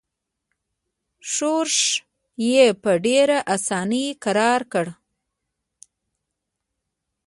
ښورښ یې په ډېره اساني کرار کړ.